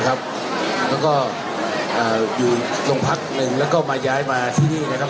แล้วก็อยู่โรงพักหนึ่งแล้วก็มาย้ายมาที่นี่นะครับ